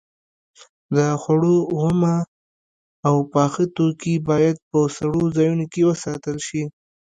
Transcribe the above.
د خوړو اومه او پاخه توکي باید په سړو ځایونو کې وساتل شي.